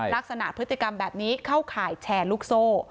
ลักษณะพฤติกรรมแบบนี้เข้าข่ายแชร์ลูกโซ่